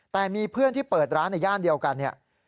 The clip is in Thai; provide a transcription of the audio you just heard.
แต่มีเพื่อนที่เปิดร้านในย่านเดียวกันเนี่ย